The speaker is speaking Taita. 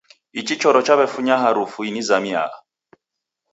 Ichi choro chawefunya harufunizamiyea